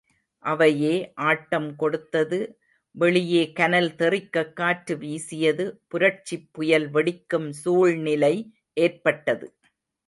அவையே ஆட்டம் கொடுத்தது வெளியே கனல் தெறிக்கக் காற்று வீசியது புரட்சிப் புயல் வெடிக்கும் சூழ்நிலை ஏற்பட்டது.